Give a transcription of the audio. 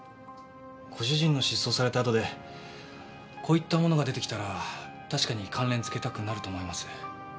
ご主人の失踪されたあとでこういったものが出てきたら確かに関連付けたくなると思います。